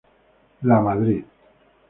La Madrid.